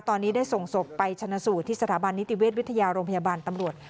ตอนนี้ได้ส่งศพไปชนะสูตรที่สถาบันนิติเวชวิทยาโรงพยาบาลตำรวจ